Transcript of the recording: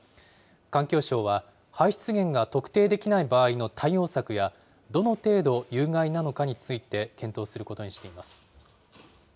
環境省は、排出源が特定できない場合の対応策や、どの程度有害なのかについて検討することにしています。